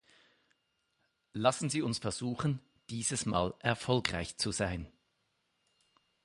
Lassen Sie uns versuchen, dieses Mal erfolgreich zu sein.